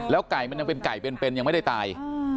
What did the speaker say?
แล้วไก่มันเป็นยังไม่ได้ตาย